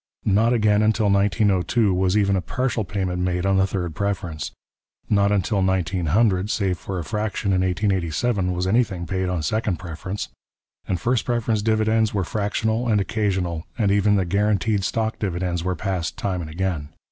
Not again until 1902 was even a partial payment made on the third preference; not until 1900, save for a fraction in 1887, was anything paid on second preference; first preference dividends were fractional and occasional, and even the guaranteed stock dividends were passed time and again.